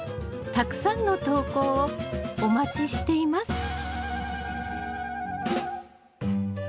たくさんの投稿をお待ちしています。